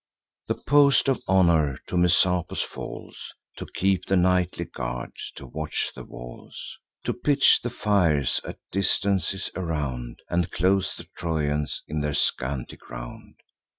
The post of honour to Messapus falls, To keep the nightly guard, to watch the walls, To pitch the fires at distances around, And close the Trojans in their scanty ground.